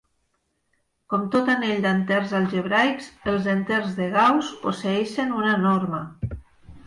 Com tot anell d'enters algebraics, els enters de Gauss posseeixen una norma.